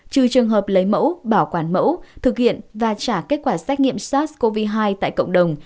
trừ trường hợp lấy mẫu bảo quản mẫu thực hiện và trả kết quả xét nghiệm sars cov hai tại cộng đồng